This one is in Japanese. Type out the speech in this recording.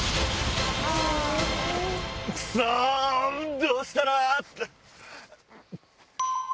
クソどうしたら。